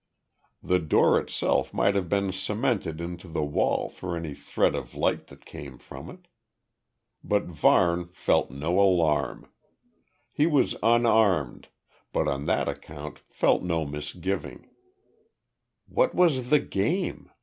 The door itself might have been cemented into the wall for any thread of light that came from it. But Varne felt no alarm. He was unarmed, but on that account felt no misgiving; "What was the game?"